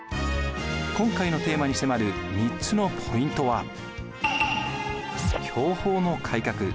今回のテーマに迫る３つのポイントは。